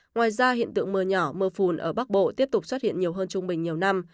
ngoài ra hiện tượng mưa nhỏ mưa phùn ở bắc bộ tiếp tục xuất hiện nhiều hơn trung bình nhiều năm